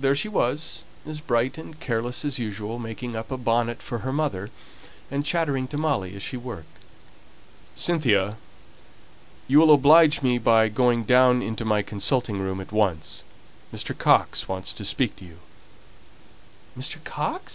There she was, as bright and careless as usual, making up a bonnet for her mother, and chattering to Molly as she worked. "Cynthia, you will oblige me by going down into my consulting room at once. Mr. Coxe wants to speak to you!" "Mr. Coxe?"